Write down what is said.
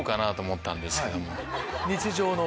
日常の？